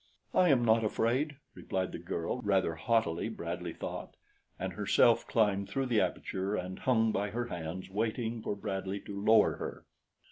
"I am not afraid," replied the girl, rather haughtily Bradley thought, and herself climbed through the aperture and hung by her hands waiting for Bradley to lower her.